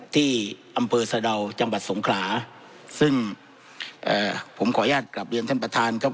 ที่อำเภอสะดาวจังหวัดสงขลาซึ่งเอ่อผมขออนุญาตกลับเรียนท่านประธานครับ